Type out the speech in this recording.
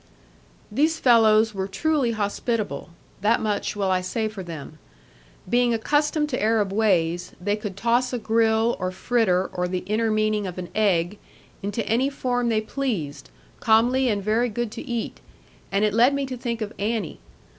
These fellows were truly hospitable; that much will I say for them. Being accustomed to Arab ways, they could toss a grill, or fritter, or the inner meaning of an egg, into any form they pleased, comely and very good to eat; and it led me to think of Annie.